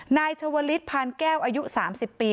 นายชวลิศพานแก้วอายุ๓๐ปี